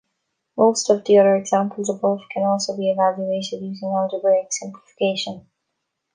Most of the other examples above can also be evaluated using algebraic simplification.